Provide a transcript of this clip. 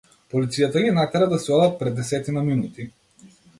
Полицијата ги натера да си одат пред десетина минути.